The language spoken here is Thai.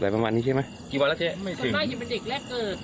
อะไรประมาณนี้ใช่ไหมกี่วันแล้วเจ๊ไม่รู้สมมติเป็นเด็กแรกเกิด